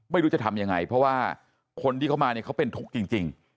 ไม่รู้จะทำยังไงเพราะว่าคนที่เขามาเนี่ยเขาเป็นทุกข์จริง